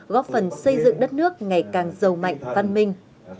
góp phần xây dựng đất nước ngày càng giàu mạnh văn minh